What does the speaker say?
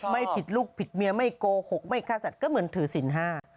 ไม่ผิดลูกผิดเมียไม่โกหกไม่ฆ่าสัตว์ก็เหมือนถือสินห้า